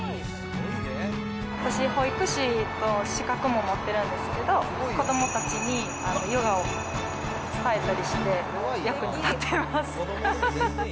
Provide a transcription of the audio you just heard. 私、保育士の資格も持ってるんですけど、子どもたちにヨガを伝えたりして、役に立ってます。